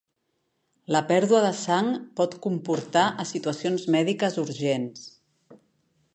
La pèrdua de sang pot comportar a situacions mèdiques urgents.